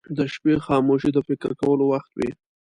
• د شپې خاموشي د فکر کولو وخت وي.